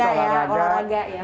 sepeda ya olahraga